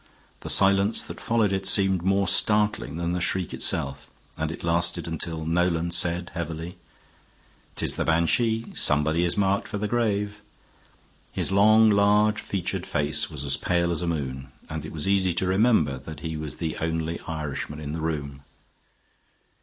The silence that followed it seemed more startling than the shriek itself, and it lasted until Nolan said, heavily: "'Tis the banshee. Somebody is marked for the grave." His long, large featured face was as pale as a moon, and it was easy to remember that he was the only Irishman in the room.